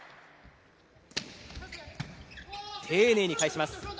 丁寧に返します。